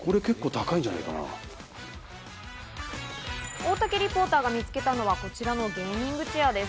大竹リポーターが見つけたのは、こちらのゲーミングチェアです。